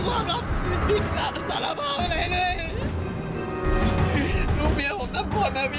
ไม่ทั้งเจ้าดีดีพี่ความรู้เกลียดสิ่งเกี่ยวกับคนพาดแม่